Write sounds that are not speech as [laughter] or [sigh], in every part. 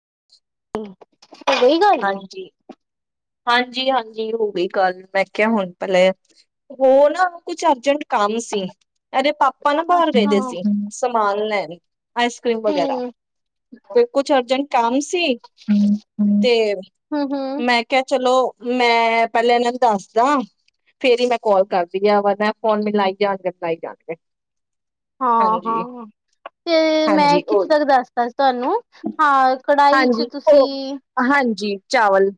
[inaudible] ਹੂੰ। ਹੋਈ ਗੱਲ? ਹਾਂਜੀ, ਹਾਂਜੀ, ਹੋ ਗਈ ਗੱਲ, ਮੈਂ ਕਿਹਾ ਹੁਣ ਪਹਿਲੇ ਉਹ ਨਾ ਕੁਛ ਅਰਜੈਂਟ ਕੰਮ ਸੀ। ਇਹਦੇ ਪਾਪਾ ਨਾ, ਬਾਹਰ ਗਏ ਅੱਛਾ ਦੇ ਸੀ, ਸਮਾਨ ਲੈਣ। ਆਈਸ ਕਰ੍ਰੀਮ ਵਗੈਰਾ, ਹੂੰ ਤੇ ਕੁਛ ਅਰਜੈਂਟ ਕੰਮ ਸੀ ਹਮ, ਹਮ, ਤੇ ਹਮ ਹਮ। ਮੈਂ ਕਿਹਾ ਚਲੋ ਮੈਂ ਪਹਿਲਾਂ ਇਹਨਾਂ ਨੂੰ ਦੱਸਦਾ, ਫੇਰ ਹੀ ਮੈਂ ਕਾਲ ਕਰਦੀ ਆ ਵੇ ਫੋਨ ਮਿਲਾਈ ਜਾਣਗੇ ਮਿਲਾਈ ਜਾਣਗੇ। ਹਾਂਜੀ। ਹਾਂ-ਹਾਂ ਤੇ ਮੈਂ ਹਾਂਜੀ ਕਿੱਥੇ ਉਹੀ ਤੱਕ ਦੱਸਦਾ ਸੀ ਤੁਹਾਨੂੰ ਹਾਂ ਕੜਾਹੀ ਚ ਹਾਂਜੀ ਉਹ ਤੁਸੀਂ ਹਾਂਜੀ ਚਾਵਲ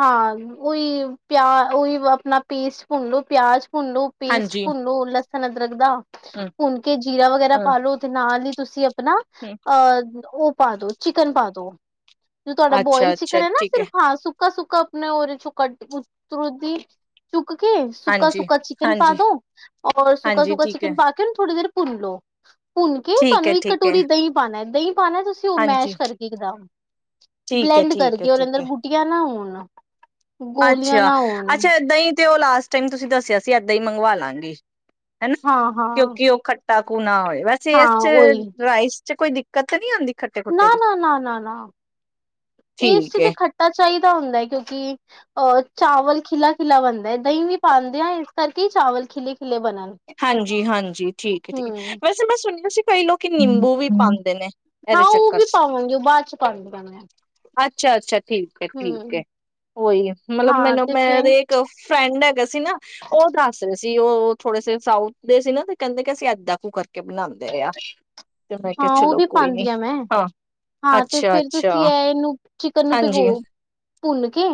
ਹਾਂ ਉਹੀ ਪਿਆ ਉਹੀ ਆਪਣਾ ਪੇਸਟ ਭੁੰਨਲੋ ਪਿਆਜ। ਭੁੰਨੋ ਪੇਸਟ ਹਾਂਜੀ ਭੁੰਨੋ ਲਸ ਲਸਣ ਅਦਰਕ ਦਾ ਹੂੰ, ਭੁੰਨ ਕੇ ਜੀਰਾ ਵਗੈਰਾ ਹੂੰ, ਪਾ ਲੋ ਤੇ ਨਾਲ ਹੀ ਤੁਸੀਂ ਆਪਣਾ ਹੂੰ ਅਹ ਉਹ ਪਾ ਦੋ ਚਿਕਨ ਪਾਦੋ ਜੋ ਤੁਹਾਡਾ ਬੋਇਲ ਅੱਛਾ-ਅੱਛਾ ਚਿਕਨ ਹੈ ਨਾ ਠੀਕ ਸਿਰਫ ਸੁੱਕਾ ਸੁੱਕਾ ਆਪਣੇ ਉਹਦੇ ਚੋਂ ਕੱਢ ਕੇ ਉਧਰੋ ਦੀ ਕੇ ਸੁੱਕਾ ਹਾਂਜੀ, ਸੁੱਕਾ ਚਿਕਨ ਪਾ ਹਾਂਜੀ, ਦੋ ਔਰ ਸੁੱਕਾ ਹਾਂਜੀ ਸੁੱਕਾ ਠੀਕ ਚਿਕਨ ਹੈ। ਪਾ ਕੇ ਥੋੜੀ ਦੇਰ ਭੁੰਨ ਲਓ ਭੁੰਨ ਕੇ ਠੀਕ ਹੈ, ਤੁਹਾਨੂੰ ਇੱਕ ਠੀਕ ਹੈ। ਕਟੋਰੀ ਦਹੀਂ ਪਾਣਾ ਦਹੀਂ ਪਾਣਾ ਤੁਸੀਂ ਉਹ ਹਾਂਜੀ, ਮੈਸ਼ [unintelligible] ਠੀਕ ਹੈ, ਬਲੈਂਡ ਠੀਕ ਹੈ, ਕਰਕੇ ਉਹਦੇ ਠੀਕ ਅੰਦਰ ਹੈ। ਬੁਟੀਆਂ ਨਾ ਹੋਣ ਹੂੰ ਅੱਛਾ ਅੱਛਾ ਦਹੀਂ, ਤੇ ਉਹ ਲਾਸਟ ਟਾਈਮ ਤੁਸੀਂ ਦੱਸਿਆ ਸੀ ਏਦਾਂ ਹੀ ਮੰਗਵਾ ਲਾਂਗੀ। ਹਨਾ ਹਾਂ ਹਾਂ ਕਿਉਂਕਿ ਉਹ ਖੱ [unintelligible] ਨਾ ਹੋਏ ਵੈਸੇ ਹਾਂ ਇਸ ਚ ਉਹੀ ਰਾਈਸ ਕੋਈ ਦਿੱਕਤ ਨਹੀਂ ਆਉਂਦੀ ਖੱਟੇ ਨਾ ਖੁੱਟੇ ਦੀ। ਨਾ ਨਾ ਨਾ ਨਾ ਇਸ ਠੀਕ ਚ ਤੇ ਹੈ, ਖੱਟਾ ਚਾਹੀਦਾ ਹੁੰਦਾ ਹੈ, ਕਿਉਂਕਿ ਅ ਚਾਵਲ ਖਿਲਾ ਖਿਲਾ ਬਣਦਾ ਹੈ, ਦਹੀਂ ਵੀ ਪਾਂਦੇ ਆ ਇਸ ਕਰਕੇ ਚਾਵਲ ਖਿਲੇ ਖਿਲੇ ਬਣਨ ਹਾਂਜੀ-ਹਾਂਜੀ ਠੀਕ ਹੈ ਠੀਕ ਹੈ ਹਮ ਵੈਸੇ ਮੈਂ ਸੁਣਿਆ ਸੀ। ਕਈ ਲੋਕੀ ਨਿੰਬੂ ਵੀ ਪਾਉਂਦੇ ਨੇ ਹਾਂ ਇਹਦੇ ਉਹ ਚੱਕਰ ਵੀ ਚ ਪਾਵਾਂਗੇ ਉਹ ਬਾਅਦ ਚ ਪਾਵਾਗੇ ਕਹਿੰਦੇ, ਅੱਛਾ ਅੱਛਾ ਠੀਕ ਹੈ ਠੀਕ ਹੈ ਉਹੀ ਮਤਲਬ ਹਾਂ ਮੈਨੂੰ ਤੇ ਮੇਰਾ ਫਿਰ ਇੱਕ ਫਰੈਂਡ ਹੈਗਾ ਸੀ ਨਾ ਉਹ ਦੱਸ ਰਹੇ ਸੀ। ਜੀ ਉਹ ਥੋੜੇ ਸੇ ਸਾਊਥ ਦੇ ਸੀ ਨਾ ਤੇ ਕਹਿੰਦੇ ਕਿ ਅਸੀਂ ਏਦਾਂ ਕੁੂ ਕਰਕੇ ਬਣਾਦੇ ਆ ਤੇ ਮੈਂ ਕਿਹਾ ਹਾਂ ਉਹ ਚਲੋ ਵੀ ਕੋਈ ਨੀ ਪਾਉਂਦੀ ਆ ਮੈਂ ਹਾਂ। ਹਾਂ ਤੇ ਅੱਛਾ ਫੇਰ ਅੱਛਾ ਤੁਸੀਂ ਇਹਨੂੰ ਚਿਕਨ ਨੂੰ ਭਿਗੋ ਹਾਂਜੀ ਭੁੰਨ ਕੇ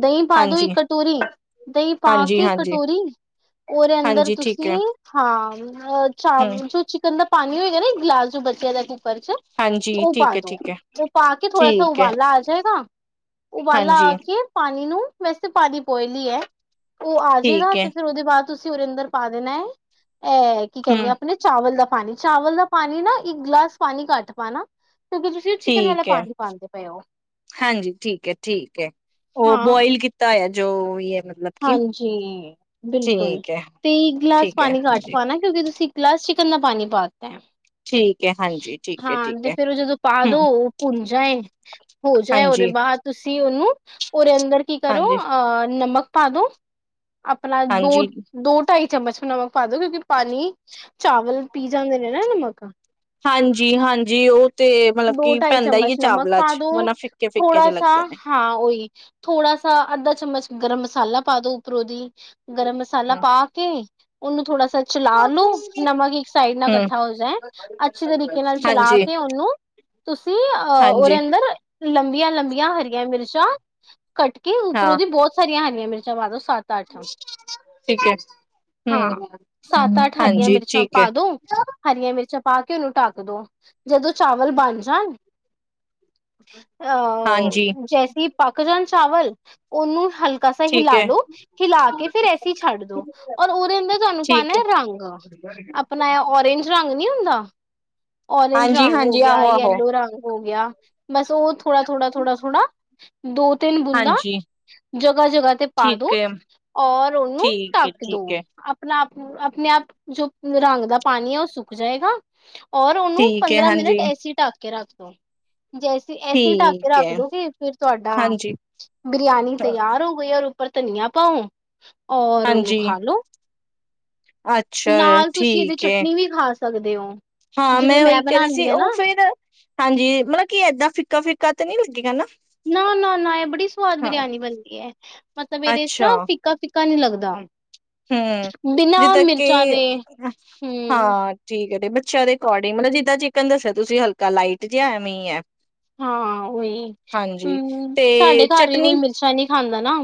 ਦਹੀਂ ਪਾ ਦੋ ਹਾਂਜੀ ਇੱਕ ਕਟੋਰੀ, ਦਹੀਂ ਪਾ ਹਾਂਜੀ ਕੇ ਹਾਂਜੀ ਕਟੋਰੀ ਉਹਦੇ ਅੰਦਰ ਹਾਂਜੀ ਠੀਕ ਹੈ ਤੁਸੀਂ ਹਾਂ, ਚਾ ਹਮ ਜੋ ਚਿਕਨ ਦਾ ਪਾਣੀ ਹੋਏਗਾ ਨਾ ਗਿਲਾਸ ਚ ਬਚਿਆ ਦਾ ਕੁ ਕਰ ਚ ਹਾਂਜੀ ਉਹ ਪਾ ਠੀਕ ਹੈ ਦੋ, ਠੀਕ ਹੈ ਉਹ ਪਾ ਕੇ ਥੋੜਾ ਸਾ ਠੀਕ ਹੈ ਉਬਾਲਾ ਆ ਜਾਏਗਾ। ਉਬਾਲਾ ਹਾਂਜੀ ਆ ਕੇ ਪਾਣੀ ਨੂੰ ਵੈਸੇ ਪਾਣੀ ਬੋਇਲ ਹੀ ਹੈ। ਉਹ ਆ ਜੇਗਾ ਠੀਕ ਹੈ ਤੇ ਫੇਰ ਉਹਦੇ ਬਾਅਦ ਤੁਸੀਂ ਉਹਦੇ ਅੰਦਰ ਪਾ ਦੇਣਾ ਹੈ ਇਹ ਕੀ ਕਹਿੰਦੇ ਆ ਹਮ ਅਪਣੇ ਚਾਵਲ ਦਾ ਪਾਣੀ। ਚਾਵਲ ਦਾ ਪਾਣੀ ਨਾ ਇੱਕ ਗਲਾਸ ਪਾਣੀ ਕੱਟ ਪਾਣਾ। ਕਿਉਂਕਿ ਤੁਸੀਂ ਉਹ ਚਿਕਨ ਵਾਲਾ ਠੀਕ ਹੈ, ਪਾਣੀ ਪਾਉਂਦੇ ਪਏ ਹੋ ਹਾਂਜੀ ਠੀਕ ਹੈ-ਠੀਕ ਹੈ ਉਹ ਹਾਂ ਬੋਇਲ ਕੀਤਾ ਹੋਆ। ਜੋ ਬੀ ਹੈ। ਮਤਲਬ ਕਿ ਹਾਂਜੀ ਬਿਲਕੁਲ ਠੀਕ ਹੈ ਤੇ ਇੱਕ ਗਲਾਸ ਠੀਕ ਹੈ ਪਾਣੀ ਘੱਟ ਹਾਂਜੀ ਪਾਣਾ ਕਿਉਂਕਿ ਤੁਸੀ ਗਲਾਸ ਚਿਕਨ ਦਾ ਪਾਣੀ ਪਾ ਤਾ ਹੈ। ਠੀਕ ਹੈ ਹਾਂਜੀ ਠੀਕ ਹੈ ਹਾਂ ਠੀਕ ਤੇ ਹੈ ਫੇਰ ਉਹ ਜਦੋਂ ਪਾ ਦੋ, ਹਮ ਉਹ ਭੁੰਨ ਜਾਏ, ਹੋ ਜਾਏ ਉਹਦੇ ਹਾਂਜੀ ਬਾਅਦ ਤੁਸੀਂ ਉਹਨੂੰ। ਉਹਦੇ ਅੰਦ ਦਰ ਕੀ ਕਰੋ ਹਾਂਜੀ ਅਹ ਨਮਕ ਪਾਦੋਂ। ਆਪਣਾ ਦੋ, ਹਾਂਜੀ ਦੋ ਟਾਈ ਚਮਚ ਨਮਕ ਪਾ ਦੋ ਕਿਉਂਕਿ ਪਾਣੀ ਚਾਵਲ ਪੀ ਜਾਂਦੇ ਨੇ ਨਾ ਨਮਕ ਹਾਂਜੀ-ਹਾਂਜੀ ਉਹ ਤੇ ਮਤਲਬ ਦੋ ਕਿ ਢਾਈ ਪੈਂਦਾ ਹੀ ਚਮਚ ਹੈ ਨਮਕ ਚਾਵਲਾਂ ਪਾ ਚ ਦੋ, ਵਰਨਾ ਫਿੱਕੇ ਫਿੱਕੇ ਜੇ ਥੋੜਾ ਸ ਲੱਗਦੇ ਨੇ ਹਾਂ ਉਓਹੀ ਥੋੜਾ ਸਾ ਅੱਧਾ ਚਮਚ ਗਰਮ ਮਸਾਲਾ ਪਾਦ ਦੋ ਉਪਰੋ ਦੀ। ਗਰਮ ਮਸਾਲਾ ਹਮ ਪਾ ਕੇ। ਉਹਨੂੰ ਥੋੜਾ ਚਲਾ ਲੋ ਨਮਕ ਇੱਕ ਸਾਈਡ ਨਾਲ ਹਮ ਇਕੱਠਾ ਹੋ ਜਾਏ ਅੱਛੇ ਤਰੀਕੇ ਨਾਲ ਚਲਾ ਹਾਂਜੀ ਕੇ ਉਹਨੂੰ ਤੁਸੀਂ ਅਹ ਹਾਂਜੀ ਉਹਦੇ ਅੰਦਰ ਲੰਬੀਆਂ ਲੰਬੀਆਂ ਹਰੀਆਂ ਮਿਰਚਾਂ ਕੱਟ ਕੇ ਉੱਪਰ ਹਾਂ ਉਹਦੀ ਬਹੁਤ ਸਾਰੀਆਂ ਹਰ ਰੀਆ ਮਿਰਚਾਂ ਪਾ ਦੋ। ਸੱਤ ਅੱਠ ਠੀਕ ਹੈ ਹਮ ਹਾਂ, ਸੱਤ ਅੱਠ ਹਰੀਆਂ ਹਾਂਜੀ ਮਿਰਚਾਂ ਠੀਕ ਹੈ ਪਾ ਦੋ ਹਰੀਆਂ ਮਿਰਚਾਂ ਪਾ ਪਾ ਕੇ ਉਹਨੂੰ ਢੱਕ ਦੋ ਜਦੋਂ ਚਾਵ ਵੱਲ ਬਣ ਜਾਣ। ਹਾਂਜੀ ਅਹ ਜੈਸੀ ਪਾਕਜਾਨ ਚਾਵਲ। ਉਹਨੂੰ ਹਲਕਾ ਸ ਠੀਕ ਹਿਲਾ ਹੈ ਲੋ ਹਿਲਾ ਕੇ ਫਿਰ ਐਸੀਂ ਛੱਡ ਦੋ ਔਰ ਉਹਦੇ ਅੰਦਰ ਤੁਹਾਨੂੰ ਪਾਣਾ ਠੀਕ ਹੈ ਰੰਗ ਆਪਣਾ ਆ ਓਰਜ ਰੰਗ ਨੀ ਹੁੰਦਾ। ਓਰਜ ਹਾਂਜੀ ਰੰਗ ਹੋ ਹਾਂਜੀ ਗਿਆ ਆਹੋ ਆਹੋ ਯਲੋ ਰੰਗ ਹੋ ਗਿਆ ਬਸ ਉਹ ਥੋੜਾ-ਥੋੜਾ-ਥੋੜਾ-ਥੋੜਾ, ਦੋ ਤਿੰਨ ਬੂੰਦਾ ਹਾਂਜੀ ਜਗ੍ਹਾ ਜਗ੍ਹਾ ਤੇ ਪਾ ਠੀਕ ਦੋ ਹੈ ਔਰ ਉਹਨੂੰ ਠੀਕ ਹੈ ਢੱਕ ਦੋ ਠੀਕ ਹੈ ਆਪਣਾ ਆਪਣੇ ਆਪ ਜੋ ਰੰਗ ਦਾ ਪਾਣੀ ਹੈ ਉਹ ਸੁੱਕ ਜਾਏਗਾ। ਔਰ ਉਹਨੂੰ ਠੀਕ ਹੈ ਪੰਦਰਾਂ ਮਿੰਟ ਹਾਂਜੀ ਏਸੀ ਢੱਕ ਕੇ ਰੱਖ [unintelligible] ਜੈਸੀ ਐਸੀ ਢੱਕ ਕੇ ਠੀਕ ਰੱਖ ਹੈ ਦੋਗੇ ਫਿਰ ਤੁਹਾਡਾ ਹਾਂਜੀ ਬਰਿਆਨੀ ਤਿਆਰ ਹੋ ਗਈ ਔਰ ਉੱਪਰ ਧਨੀਆ ਪਾਓ, ਔਰ ਉਹਨੂੰ ਹਾਂਜੀ ਖਾ ਲੋੋ, ਅੱਛਾ ਨਾਲ ਤੁਸੀਂ ਇਹਦੀ ਠੀਕ ਹੈ ਚਟਨੀ ਵੀ ਖਾ ਸਕ ਸਕਦੇ ਔ, ਹਾਂ ਮੈਂ ਉਹੀ ਕਹਿ ਰਹੀ ਸੀ ਉਹ ਫੇਰ ਹਾਂਜੀ ਮਤਲਬ ਕੀ ਏਦਾਂ ਫਿੱਕਾ ਫਿੱਕਾ ਤਾਂ ਨੀ ਲੱਗੇਗਾ ਨਾ, ਨਾ-ਨਾ-ਨਾ ਇਹ ਬੜੀ ਸਵਾਦ ਹਾਂ ਬਰਿਆਨੀ ਬਣਦੀ ਐ ਮਤਲਬ ਇਹਦੇ ਚ ਨਾ ਫਿੱਕਾ ਫਿੱ ਪੱਕਾ ਨੀ ਲੱਗਦਾ। ਹੂੰ, ਬਿਨਾਂ ਜਿੱਦਾਂ ਕਿ ਮਿਰਚਾਂ ਦੇ ਹਮ ਹਾਂ ਠੀਕ ਹੈ। ਬੱਚਿਆਂ ਦੇ ਅਕੋਰਡਿੰਗ ਮਤਲਬ ਜਿੱਦਾਂ ਚਿਕਨ ਦੱਸਿਆ ਤੁਸੀਂ ਹਲਕਾ ਲਾਈਟ ਜਿਹਾ ਐਵੇਂ ਹੈ। ਹਾਂ ਉਹੀ ਹਾਂਜੀ ਹੂੰ ਸਾਡੇ ਤੇ ਘਰ ਵੀ ਕੋਈ ਚਟਨੀ ਮਿਰਚਾਂ ਨੀ ਖਾਂਦਾ ਨਾ।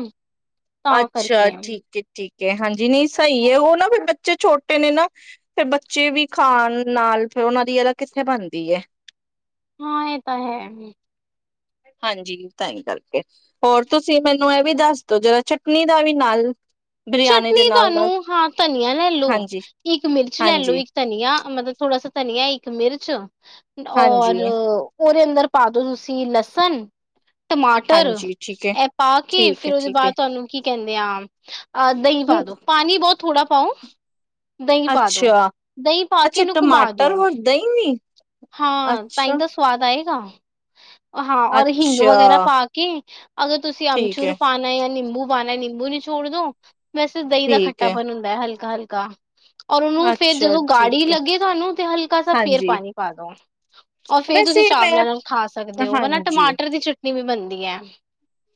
ਤਾਂ ਅੱਛਾ ਕਰਕੇ ਠੀਕ ਹੈ ਠੀਕ, ਹਾਂਜੀ ਨਹੀਂ ਸਹੀ ਹੈ ਉਹ ਨਾ ਫੇਰ ਬੱਚੇ ਛੋਟੇ ਨੇ ਨਾ ਫੇਰ ਬੱਚੇ ਵੀ ਖਾਣ ਨਾਲ ਫਿਰ ਉਹਨਾਂ ਦੀ ਇਹਦਾ ਕਿੱਥੇ ਬਣਦੀ ਹੈ। ਹਾਂ ਇਹ ਤਾਂ ਹੈ। ਹਾਂਜੀ ਤਾਂ ਹੀ ਕਰਕੇ ਹੋਰ ਤੁਸੀਂ ਮੈਨੂੰ ਇਹ ਵੀ ਦੱਸ ਦੋ ਜਿਹੜਾ ਚਟਨੀ ਦਾ ਵੀ ਨਾਲ ਬਰਿਆਨੀ ਦੇ ਚਟਨੀ ਨਾਲ ਮਤਲਬ ਤੁਹਾਨੂੰ ਹਾਂ ਧਨੀਆ ਲੈ ਲੋ ਹਾਂਜੀ, ਇੱਕ ਮਿਰਚ ਲੈ ਲੋ ਹਾਂਜੀ, ਇੱਕ ਧਨੀਆ ਮਤਲਬ ਥੋੜਾ ਸਾ ਧਨੀਆ ਇੱਕ ਮਿਰਚ, ਹਾਂਜੀ, ਔਰ ਉਹਦੇ ਅੰਦਰ ਪਾਦੋ ਤੁਸੀਂ ਲਸਣ ਟਮਾਟਰ ਹਾਂਜੀ ਠੀਕ ਹੈ, ਇਹ ਪਾ ਕੇ ਠੀਕ ਫਿਰ ਹੈ, ਉਹਦੇ ਠੀਕ ਹੈ। ਬਾਅਦ ਤੁਹਾਨੂੰ ਕੀ ਕਹਿੰਦੇ ਆ, ਅਹ ਦਹੀਂ ਪਾ ਹੂੰ, ਦੋ ਪਾਣੀ ਬਹੁਤ ਥੋੜਾ ਪਾਓ, ਦਹੀਂ ਪਾ ਦੋ। ਅੱਛਾ ਦਹੀਂ ਪਾ ਕੇ ਅੱਛਾ ਇਹਨੂੰ ਘੁਮਾ ਦੋ ਟਮਾਟਰ ਹੋਰ ਦਹੀਂ ਵੀ ਹਾਂ ਤਾਂ ਅੱਛਾ ਹੀ ਤਾਂ ਸਵਾਦ ਆਏਗਾ ਹਾਂ ਔਰ ਹਿੰਗ ਵਗੈਰਾ ਅੱਛਾ, ਪਾ ਕੇ ਅਗਰ ਤੁਸੀਂ ਠੀਕ ਐ, ਅਮਚੂਰ ਪਾਉਣਾ ਜਾਂ ਨਿੰਬੂ ਨਾ ਨਿੰਬੂ ਨੀ ੋੜ ਦੋ [unintelligible] ਵੈਸੇ ਦਹੀਂ ਦਾ ਠੀਕ ਐ, ਖੱਟਾਪਨ ਹੁੰਦਾ ਹੈ ਹਲਕਾ ਹਲਕਾ ਤਾਂ ਔਰ ਉਹਨੂੰ ਫੇਰ ਅੱਛਾ ਜਦੋਂ ਗਾੜ੍ਹੀ ਠੀਕ ਐ, ਲੱਗੇ ਤੁਹਾਨੂੰ ਤੇ ਹਲਕਾ ਸਾ ਫੇਰ ਹਾਂਜੀ। ਪਾਣੀ ਪਾ ਦੋ ਔਰ ਫੇਰ ਤੁਸੀਂ ਵੈਸੇ ਮੈਂ ਚਾਵਲਾਂ ਨਾਲ ਖਾ ਸਕਦੇ ਹੋ ਨਾ ਹਾਂਜੀ, ਟਮਾਟਰ ਦੀ ਚਟਨੀ ਵੀ ਬਣਦੀ ਧਆਂ [unintelligible]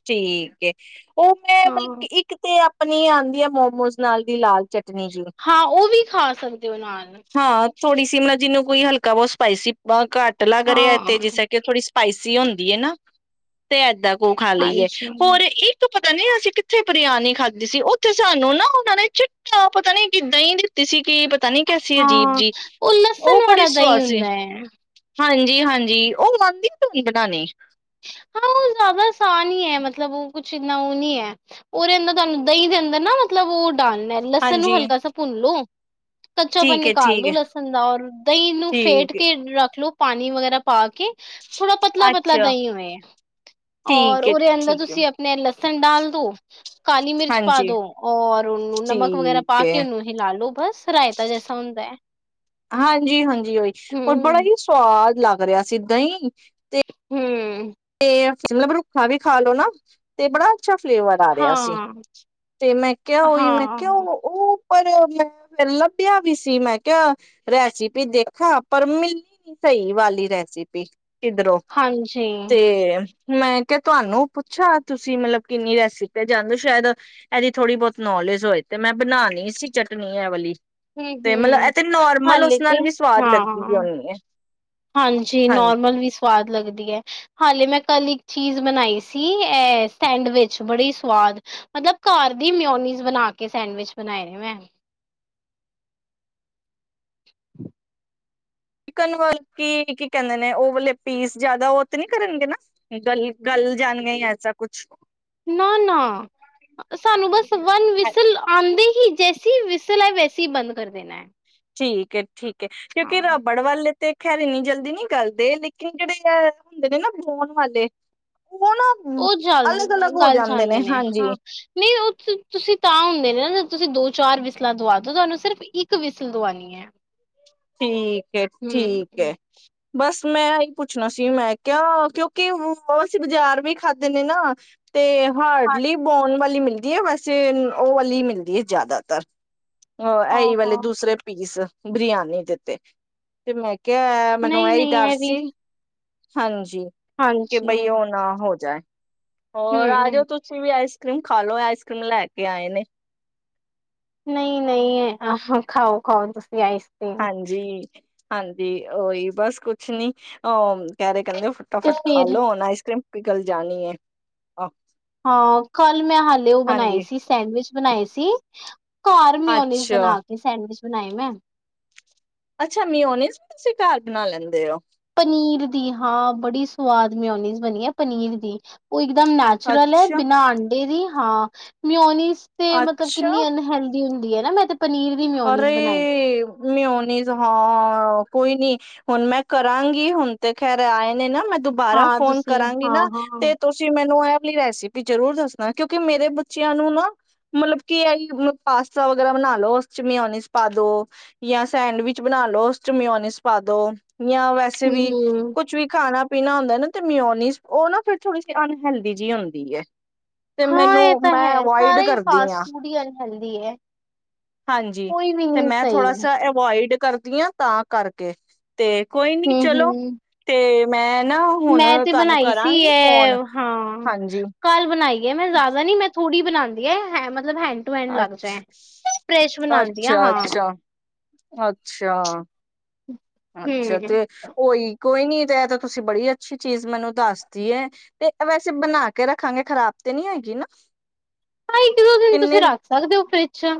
ਠੀਕ ਏ ਉਹ ਮੈਂ ਮਤਲਬ ਹਾਂ। ਕਿ ਇੱਕ ਤੇ ਪਨੀਰ ਆਉਂਦੀ ਹੈ ਮੋਮੋਸ ਨਾਲ ਦੀ ਲਾਲ [unintelligible] ਹਾਂ ਉਹ ਵੀ ਖਾ ਸਕਦੇ ਹੋ ਨਾਲ ਹਾਂ ਥੋੜੀ ਸੀ [unintelligible] ਮ ਜਿਹਨ ਕੋਈਲਕਾ ਬਹੁਤ ਸਪਾਈਸੀ ਘੱਟ ਲੱਗ ਰਿਹਾ ਤੇ ਹਾਂ। ਜਿਸੇ ਕਿ ਥੋੜ੍ਹੀ ਸਪਾਈਸੀ ਹੁੰਦੀ ਹੈ ਨਾ ਤੇ ਏਦਾਂ ਉਹ ਖਾ ਲਈਏ ਹਾਂਜੀ ਹੋਰ ਇੱਕ [unintelligible] ਪਤਾ ਨੀ ਅਸੀਂ ਕਿੱਥੇ ਬਰਿਆਨੀ ਖਾਧੀ ਸੀ ਉੱਥੇ ਸਾਨੂੰ ਨਾ ਉਹ ਨੇ ਚਿੱਟਾ ਪਤਾ ਨੀ ਕਿ ਦਹੀ ਦਿੱਤੀ ਸੀ ਕੀ ਪਤਾ ਨੀ ਕੈਸੀ ਅਜੀਬ ਹਾਂ ਜੀ। ਉਹ ਲਸਣ ਵਾਲਾ ਦਹੀਂ ਹੁੰਦਾ ਹੈ ਹਾਂਜੀ ਹਾਂਜੀ ਉਹ ਆਦੀ ਆ ਤੁਕੀ ਬਣਾਉਣੇ ਹਾਂ ਉਹ ਜ਼ਿਆਦਾ ਆਸਾਨ ਹੀ ਹੈ ਮਤਲਬ ਉਹ ਕੁਛ ਇੰਨਾ ਉਹ ਨੀ ਹੈ ਉਹਦੇ ਅੰਦਰ ਤੁਹਾਨੂੰ ਦਹੀਂ ਦੇ ਅੰਦਰ ਨਾ ਮਤਲਬ ਉਹ ਡਾਲਣਾ ਲਸਣ ਨੂੰ ਹਾਂਜੀ ਹਲਕਾ ਸਾ ਭੁੰਨ ਲੋ ਕੱਚਾਪਣ ਠੀਕ ਏ, ਨਿਕਾਲ ਠੀਕ ਦੋ ਏ, ਲਸਣ ਦਾ ਔਰ ਦਹੀਂ ਨੂੰ ਫੇਟ ਠੀਕ ਏ, ਕੇ ਰੱਖ ਲੋੋ ਪਾਣੀ ਵਗੈਰਾ ਪਾ ਕੇ ਥੋੜਾ ਪਤਲਾ ਪਤਲਾ ਅੱਛਾ ਔਰ ਠੀਕ ਏ। ਉਹਦੇ ਅੰਦਰ ਠੀਕ ਏ, ਤੁਸੀਂ ਆਪਣੇ ਲਸਣ ਡਾਲ ਦੋ ਕਾਲੀ ਮਿਰਚ ਪਾ ਹਾਂਜੀ ਦੋ ਔਰ ਉਹਨੂੰ ਨਮਕ ਵਗੈਰਾ ਠੀਕ ਪਾ ਏ, ਕੇ ਉਹਨੂੰ ਇਹ ਲਾਲੋ ਬਸ ਰਾਇਤਾ ਜੈਸਾ ਹੁੰਦਾ ਹੈ ਹਾਂਜੀ ਹਾਂਜੀ ਹੀ ਬੜਾ ਹੂੰ ਹੀ ਸਵਾਦ ਲੱਗ ਰਿਹਾ ਸੀ ਦਹੀ ਤੇ ਹਾਂ ਮਤਲਬ ਰੁੱਖਾ ਵੀ ਖਾ ਲੋੋ ਨਾ ਤੇ ਬੜਾ ਅੱਛਾ ਫਲੇਵਰ ਆ ਰਿਹਾ ਸੀ, ਹਾਂ ਤੇ ਮੈਂ ਕਿਹਾ ਉਹੀ ਮੈਂ ਹਾਂ ਕਿਹਾ ਉਹ ਪਰ ਮੈਂ ਫਿਰ ਲੱਭਿਆ ਵੀ ਸੀ, ਮੈਂ ਕਿਹਾ ਰੈਸਪੀ ਦੇਖਾਂ ਪਰ ਮਿਲੀ ਨੀ ਸਹੀ ਵਾਲੀ ਰੈਸਿਪੀ। ਕਿੱਧਰੋਂ। ਹਾਂਜੀ, ਤੇ, ਮੈਂ ਕਿਹਾ ਤੁਹਾਨੂੰ ਪੁੱਛਾ ਤੁਸੀਂ ਮਤਲਬ ਕਿੰਨੀ ਰੈਸਪੀ ਜਾਂਦੇ ਹੋ ਸ਼ਾਇਦ ਇਹਦੀ ਥੋੜ੍ਹੀ ਬਹੁਤ ਨੌਲੇਜ ਹੋਏ, ਤੇ ਮੈਂ ਬਣਾਣੀ ਸੀ ਚਟਨੀ ਇਹ ਵਾਲੀ ਹੂੰ ਤੇ ਮਤਲਬ ਇਹ ਤੇ ਹੂੰ, ਨੋਰਮਲ ਹਾਲੇ ਉਸ ਤੇ ਨਾਲ ਵੀ ਸਵਾਦ ਲੱਗਦੀ ਹਾਂ ਹੋਣੀ ਹੈ ਹਾਂਜੀ ਨੋਰਮਲ ਵੀ ਸਵਾਦ ਲਗਦੀ ਹੈ, ਹਾਲੇ ਮੈਂ ਕੱਲ ਇੱਕ ਚੀਜ਼ ਬਣਾਈ ਸੀ ਅ ਸੈਂਡਵਿਚ ਬੜੀ ਸਵਾਦ ਮਤਲਬ ਘਰ ਦੀ ਮਿਓਨੀਜ਼ ਬਣਾ ਕੇ ਸੈਂਡਵਿਚ ਬਣਾਏ ਨੇ ਮੈਂ [inaudible] ਚਿਕਨ ਵ ਕੀ ਕੀ ਕਹਿੰਦੇ ਨੇ ਉਹ ਵਾਲੇ ਪੀਸ ਜਿਆਦਾ ਉਹ ਤੇ ਨੀ ਕਰਨਗੇ, ਨਾ ਗਲ ਗਲ ਜਾਣਗੇ ਐਸਾ ਕੁਛ ਨਾ ਨਾ ਸਾਨੂੰ ਬਸ ਵਨ ਵਿਸਲ ਆਦੀ ਹੀ ਜ ਵਿਸਲ ਵੈਸੇ ਹੀ ਬੰਦ ਕਰ ਦੇਣਾ ਹੈ। ਠੀਕ ਹੈ ਠੀਕ। ਕਿਉਂਕਿ ਹਾਂ। ਰਬੜਵਾਲੇ ਤੇ ਖੈਰ ਇੰਨੀ ਜਲਦੀ ਨੀ ਕਰਦੇ, ਲੇਕਿਨ ਜਿਹੜੇ ਆ ਹੁੰਦੇ ਨੇ ਨਾ ਬਉਣ ਵਾਲੇ ਉਹ ਨਾ ਉਹ ਜਾਣ ਅਲੱਗ ਅਲੱਗ ਹੋ ਗੱਲ ਜਾਂਦੇ ਜਾਣਦੇ ਨੇ ਹਾਂਜੀ ਹਾਂ ਨਹੀਂ ਉਹ ਤੁਸੀਂ ਤਾਂ ਹੁੰਦੇ ਨੇ ਨਾ ਤੁਸੀਂ ਦੋ ਚਾਰ ਵਿਸਲਾਂ ਦਵਾ ਆਜੋ ਤੁਹਾਨੂੰ ਸਿਰਫ਼ ਇੱਕ ਵਿਸਲ ਦਵਾਉਣੀ ਹੈ। ਠੀਕ ਹੈ ਹੂੰ। ਠੀਕ ਐ। ਬਸ ਮੈਂ ਇਹੀ ਪੁੱਛਣਾ ਸੀ, ਮੈਂ ਕਿਹਾ ਕਿਉਂਕਿ ਅਸੀਂ ਬਾਜ਼ਾਰ ਵੀ ਖਾਧੇ ਨੇ ਨਾ ਤੇ ਹਾਂ ਹਾਰਡਲੀ ਬੋਨ ਵਾਲੀ ਮਿਲਦੀ ਹੈ, ਵੈਸੇ ਉਹ ਵਾਲੀ ਮਿਲਦੀ ਹੈ ਜ਼ਿਆਦਾਤਰ ਹ ਹਾਂ ਐਹੀ ਵਾਲੇ ਹਾਂ ਦੂਸਰੇ ਪੀਸ ਬਰਿਆਨੀ ਦਿੱਤੇ ਤੇ ਮੈਂ ਕਿਹਿਆ ਮੈਨੂੰ ਨਹੀਂ ਇਹੀ ਨਹੀਂ ਡਰ ਇਹ ਵੀ ਸੀ। ਹਾਂਜੀ, ਜੀ ਕਿ ਹਾਂਜੀ ਬਈ ਉਹ ਨਾ ਹੋ ਜਾਏ। ਹੋਰ ਆ ਜਾਓ, ਹੂੰ। ਤੁਸੀਂ ਵੀ ਆਈਸ ਰੀਮ ਖਾ ਲੋ ਆਈਸ ਕਰ੍ਰੀਮ ਲੈ ਕੇ ਆਏ ਨੇ। ਨਹੀਂ ਨਹੀਂ, ਖਾਓ ਖਾਓ ਤੁਸੀ, ਹਾਂਜੀ, ਹਾਂਜੀ ਉਹੀ ਬਸ ਕੁਛ ਨੀ ਅ ਕਹਿ ਰਹੇ। ਕਹਿੰਦੇ ਤੇ ਫਟਾਫਟ ਫਿਰ ਖਾਲੋ ਆਈਸਕ੍ਰੀਮ, ਕੋ ਗੱਲ ਜਾਣੀ ਹੈ ਆਹੋ। ਹਾਂ ਕੱਲ ਮੈਂ ਹਾਲੇ ਉਹ ਬਣਾਏ ਸੀ ਸੈਂਡਵਿਚ ਬਣਾਏ ਸੀ ਘਰ ਮਿਓਨੀਜ਼ ਅੱਛਾ, ਬਣਾ ਕੇ ਸੈਂਡਵਿਚ ਸੁਣਾਈ ਮੈਂ। ਅੱਛਾ ਮਿਊਨਿਸਟ ਬਣਾ ਲੈਂਦੇ ਹੋ ਪਨੀਰ ਦੀ, ਹਾਂ! ਬੜੀ ਸਵਾਦ ਮਿਓਨੀਜ਼ ਬਣੀ ਆ, ਪਨੀਰ ਦੀ। ਉਹ ਇਕਦਮ ਨੈਚੁਰਲ ਹੈ ਅੱਛਾ, ਬਿਨਾਂ ਅੰਡੇ ਦੀ। ਹਾਂ! ਮਓਨੀਸ ਮਤਲਬ, ਕਿੰਨੀ ਅਨਹਲਦੀ ਹੁੰਦੀ ਨਾ ਮੈਂ ਤੇ ਪਨੀਰ ਦੀ ਅਰੇ! ਮਿਓਨੀਜ਼ ਬਣਾਈ। ਮੇ ਮਿਹਓਨੀਜ਼, ਹਾਂ! ਕੋਈ ਨੀ, ਹੁਣ ਮੈਂ ਕਰਾਂਗੀ, ਹੁਣ ਤੇ ਖੈਰ, ਆਏ ਨੇ ਨਾ, ਮੈਂ ਦੁਬਾਰਾ ਹਾਂ ਫੋਨ ਤੁਸੀਂ ਕਰਾਂਗੀ ਹਾਂ ਨਾ, ਹਾਂ ਤੇ ਤੁਸੀਂ ਮੈਨੂੰ ਇਹ ਰੈਸਿਪੀ, ਜਰੂਰ ਦੱਸਣਾ, ਕਿਉਂਕਿ ਮੇਰੇ ਬੱਚਿਆਂ ਨੂੰ ਨਾ ਮਤਲਬ ਕੀ ਆਹੀ, ਪਾਸਤਾ ਵਗੈਰਾ ਬਣਾ ਲਓ ਚ ਮਿਓਨੀਜ਼ ਪਾ ਦੋ ਜਾਂ ਸੈਂਡਵਿਚ ਬਣਾਲੋ ਉਦੇ ਚ ਮਿਓਨੀਜ ਪਾ ਦੋ। ਜਾਂ ਵੈਸੇ ਹਮ ਵੀ, ਹਮ। ਕੁਛ ਵੀ, ਖਾਣਾ ਪੀਣਾ ਹੁੰਦਾ ਨਾ ਤੇ ਮਿਓਨੀਜ ਉਹ ਨਾ, ਫਿਰ ਥੋੜੀ, ਅਨਹਲਦੀ ਜਿਹੀ ਹੁੰਦੀ ਹੈ। ਤੇ ਹਾਂ! ਮੈਨੂੰ ਇਹ ਤਾਂ ਮੈਂ ਹੈ। ਅਵੋਇਡ ਸਾਰਾ ਹੀ ਕਰਦੀ ਫਾਸਟ ਹਾਂ ਫੂਡ ਹੀ, ਅਨਹੇਲਦੀ ਹੈ। ਹਾਂਜੀ! ਕੋਈ ਵੀ ਤੇ ਨਹੀਂ ਮੈਂ ਥੋੜਾ ਸ, ਸਹੀ ਅਵੋਇਡ ਕਰ ਦੀਆਂ, ਤਾਂ ਕਰਕੇ ਤੇ, ਕੋਈ ਨੀ, ਹਮ ਚਲੋ, ਹਮ। ਤੇ ਮੈਂ, ਨਾ ਹੁਣ ਮੈਂ ਤੇ ਤੁਹਾਨੂੰ ਬਣਾਈ ਸੀ, ਕਰਾਂਗੀ ਫੋਨ ਇਹ, ਹਾਂ! ਹਾਂਜੀ ਕੱਲ ਬਣਾਈ ਹੈ ਮੈਂ, ਜ਼ਿਆਦਾ ਨੀ ਮੈਂ ਥੋੜ੍ਹੀ ਬਣਾਉਂਦੀ ਹੈਂ, ਮਲਬ ਅੱਛ, ਬਣਾਉਂਦੀ ਆ ਅੱਛਾ, ਹਾਂ ਅੱਛਾ, ਅੱਛਾ! ਅੱਛਾ, ਹਮ। ਤੇ ਉਹੀ। ਕੋਈ ਨੀ, ਤੇ ਇਹ ਤਾਂ ਤੁਸੀਂ ਬੜੀ ਅੱਛੀ ਚੀਜ਼ ਮੈਨੂੰ ਦੱਸਦੀ ਹੈ, ਤੇ ਵੈਸੇ, ਬਣਾ ਕੇ ਰੱਖਾਂਗੇ ਖ਼ਰਾਬ ਤੇ ਨੀ ਹੈਗੀ ਨਾ? ਹ! ਇੱਕ ਦੋ ਦਿਨ, ਤੁਸੀਂ ਕਿੰਨੇ ਰੱਖ ਸਕਦੇ ਫਰਿਜ ਚ'।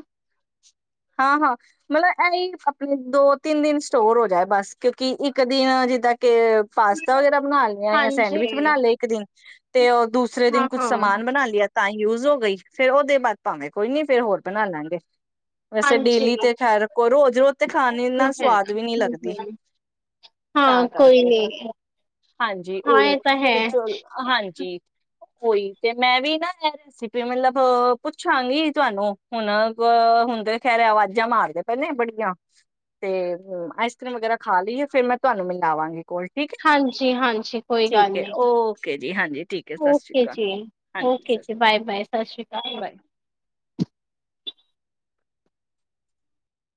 ਹਾਂ, ਹਾਂ। ਮਤਲਬ ਇਹਹੀ ਆਪਣੇ, ਦੋ ਤਿੰਨ ਦਿਨ ਸਟੋਰ ਹੋ ਜਾਏ, ਬਸ, ਕਿਉਂਕਿ ਇੱਕ ਦਿਨ ਜਿੱਦਾਂ ਕਿ ਕੇ ਪਾਸਤਾ ਵਗੈਰਾ ਬਣਾ ਲਿਆ, ਜਾਂ ਹਾਂਜੀ ਸੈਂਡਵਿਚ ਬਣਾ ਲਿਆ, ਇੱਕ ਦਿਨ, ਤੇ ਉਹ ਦੂਸਰੇ ਦਿਨ ਹਾਂ ਕੁੱਛ ਹਾਂ ਸਮਾਨ ਬਣਾ ਲਿਆ। ਤਾਂ ਹੀ ਯੂਜ ਹੋ ਗਈ, ਫੇਰ ਉਹਦੇ ਬਾਅਦ, ਭਾਵੇਗੇ ਕੋਈ ਨੀ, ਫੇਰ ਹੋਰ ਬਣਾ ਲਾਂਗੇ। ਵੈਸੇ, ਹਾਂਜੀ ਡੇਲੀ ਤੇ ਖੈਰ ਰੱਖੋ, ਰੋਜ਼ ਰੋਜ਼ ਤੇ ਖਾਣ ਉਹ ਤੇ ਨਾਲ ਹੈ ਸਵਾਦ ਵੀ ਨੀ ਹੂੰ ਲੱਗਦੀ, ਹੂੰ ਤਾਂ ਹਾਂ ਕੋਈ ਕਰਕੇ, ਨੀ ਹਾਂਜੀ, ਹਾਂ ਉਓਹੀ, ਇਹ ਤਾਂ ਹੈ ਤੇ ਚਲ, ਹਾਂਜੀ ਕੋਈ, ਤੇ ਮੈਂ ਵੀ ਨਾ, ਇਹ ਰੈਸਿਪੀ ਮਤਲਬ, ਪੁੱਛਾਂਗੀ ਤੁਹਾਨੂੰ, ਹੁਣ ਹੁਣ ਖੈਰੇ, ਆਵਾਜ਼ਾਂ ਮਾਰਦੇ ਪਏ ਨੇ, ਬੜੀਆਂ, ਤੇ ਆਈਸਕ੍ਰੀਮ ਵਗੈਰਾ ਖਾ ਲਈਏ, ਫੇਰ ਮੈਂ ਤੁਹਾਨੂੰ ਮਿਲਾਵਾਂਗੀ। ਕੋਲ ਠੀਕ ਹੈ ਹਾਂਜੀ, ਹਾਂਜੀ, ਕੋਈ ਗੱਲ ਠੀਕ ਹੈ ਨੀ। ਓਕੇ ਜੀ ਹਾਂਜੀ ਠੀਕ ਹੈ ਸਤਿ ਸ਼੍ਰੀ ਓਕੇ ਅਕਾਲ ਜੀ, ਹਾਂਜੀ ਓਕੇ ਸਤਿ ਜੀ, ਬਾਏ ਬਾਏ, ਸਤਿ ਸ਼੍ਰੀ ਅਕਾਲ।